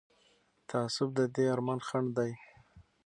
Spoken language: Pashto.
تعصب د دې ارمان خنډ دی